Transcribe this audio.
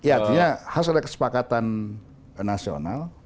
artinya harus ada kesepakatan nasional